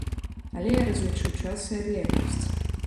Але я разлічыў час і адлегласць.